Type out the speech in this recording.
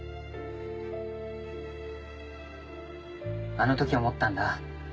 あの時思ったんだ。